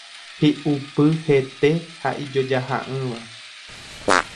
Hi'upy hete ha ijojaha'ỹva